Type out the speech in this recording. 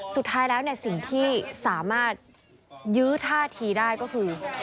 สุดท้ายแล้วสิ่งที่สามารถยื้อท่าทีได้ก็คือ